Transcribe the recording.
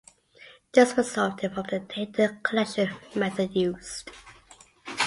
This resulted from the data collection method used.